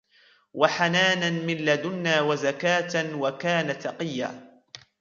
وَحَنَانًا مِنْ لَدُنَّا وَزَكَاةً وَكَانَ تَقِيًّا